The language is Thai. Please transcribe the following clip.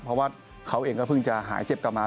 เพราะว่าเขาเองก็เพิ่งจะหายเจ็บกลับมา